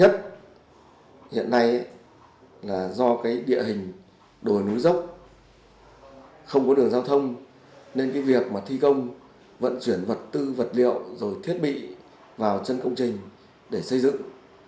tại hội cộng truyền thông việc thi công vận chuyển vật tư vật liệu thiết bị vào chân công trình để xây dựng